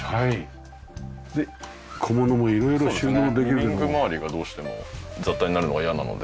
リビングまわりがどうしても雑多になるのが嫌なので。